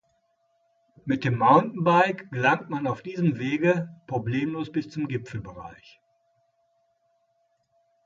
Mit dem Mountainbike gelangt man auf diesem Wege problemlos bis zum Gipfelbereich.